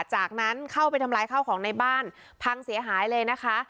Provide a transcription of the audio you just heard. จากนั้นเข้าไปทำลายข้าวของในบ้านพังเสียหายเลยนะคะ